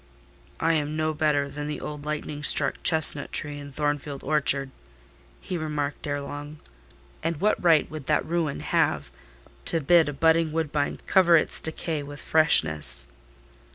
"I am no better than the old lightning struck chestnut tree in Thornfield orchard," he remarked ere long. "And what right would that ruin have to bid a budding woodbine cover its decay with freshness?"